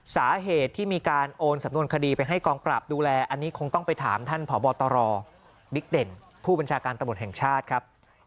สาเหตุที่มีการโอนสำนวนคดีไปให้กองปราบดูแลอันนี้คงต้องไปถามท่านผอบตรบิ๊กเด่นผู้บัญชาการตำรวจแห่งชาติครับ